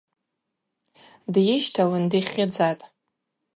Дйыщталын дихьыдзатӏ.